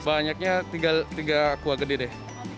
banyaknya tiga kuah gede deh